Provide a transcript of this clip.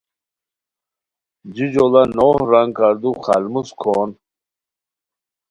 جُو جوڑا نوغ رنگ کاردو خالموس کھون